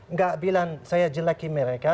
nggak bilang saya jelekin mereka